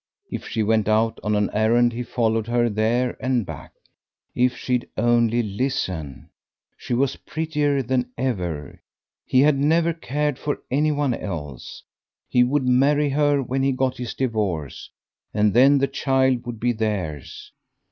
If she went out on an errand he followed her there and back. If she'd only listen. She was prettier than ever. He had never cared for any one else. He would marry her when he got his divorce, and then the child would be theirs.